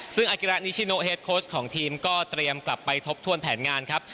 ซึ่งอากิระนิชิโนเฮดโค้ชของทีมก็เตรียมกลับไปทบทวนแผนงานครับ